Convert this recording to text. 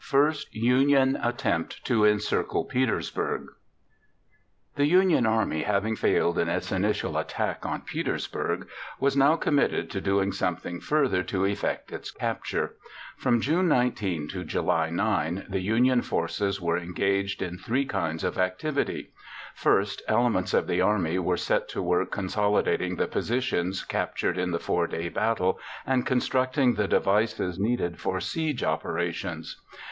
FIRST UNION ATTEMPT TO ENCIRCLE PETERSBURG The Union Army, having failed in its initial attack on Petersburg, was now committed to doing something further to effect its capture. From June 19 to July 9, the Union forces were engaged in three kinds of activity. First, elements of the army were set to work consolidating the positions captured in the 4 day battle and constructing the devices needed for siege operations.